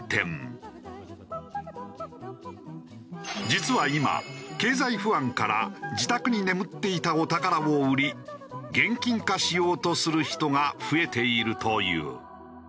実は今経済不安から自宅に眠っていたお宝を売り現金化しようとする人が増えているという。